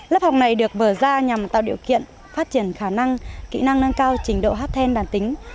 lớp học này được vở ra nhằm tạo điều kiện phát triển khả năng kỹ năng nâng cao trình độ hát then đàn tính